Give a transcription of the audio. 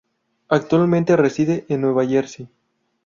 Actualmente reside en Nueva Jersey.